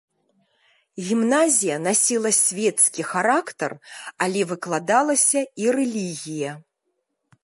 Гімназія насіла свецкі характар, але выкладалася і рэлігія.